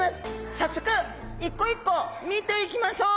早速一個一個見ていきましょう。